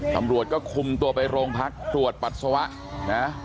ตำรวจก็คุมตัวไปโรงพักตรวจปัสสาวะนะ